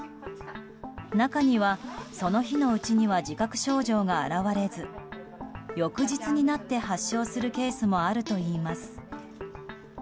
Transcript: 中には、その日のうちには自覚症状が表れず翌日になって発症するケースもあるといいます。